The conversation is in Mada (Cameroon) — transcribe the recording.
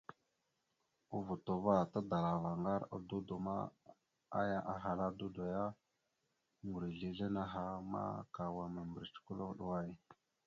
A vuto va, tadalavara ŋgar a dudo ma, aya ahala a dudo ya: Ŋgureslesla naha ma, ka wa ana mèmbirec kwal vaɗ way?